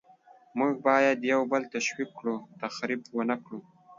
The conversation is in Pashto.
موږ باید یو بل تشویق کړو، تخریب ونکړو.